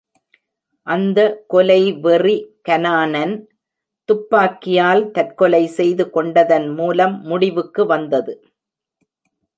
அந்த கொலைவெறி கனானன் துப்பாக்கியால் தற்கொலை செய்து கொண்டதன் மூலம் முடிவுக்கு வந்தது.